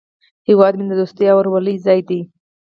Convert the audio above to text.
هیواد مې د دوستۍ او ورورولۍ ځای دی